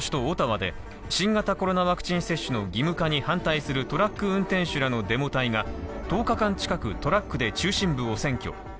オタワで新型コロナワクチン接種の義務化に反対するトラック運転手らのデモ隊が１０日間近く、トラックで中心部を占拠。